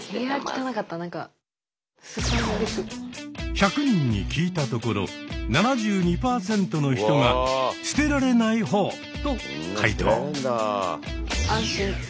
１００人に聞いたところ７２％の人が「捨てられないほう」と回答。